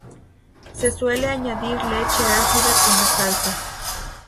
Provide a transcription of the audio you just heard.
Se suele añadir leche ácida como salsa.